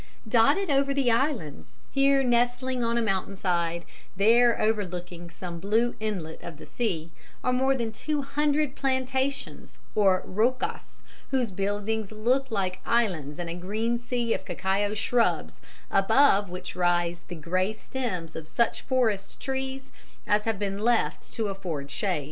"] Dotted over the islands, here nestling on a mountain side, there overlooking some blue inlet of the sea, are more than two hundred plantations, or rocas, whose buildings look like islands in a green sea of cacao shrubs, above which rise the grey stems of such forest trees as have been left to afford shade.